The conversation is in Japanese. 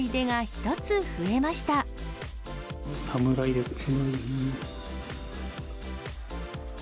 侍ですね？